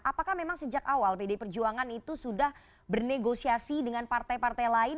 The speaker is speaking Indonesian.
apakah memang sejak awal pdi perjuangan itu sudah bernegosiasi dengan partai partai lain